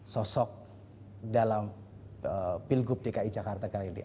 sosok dalam pilgub dki jakarta kali ini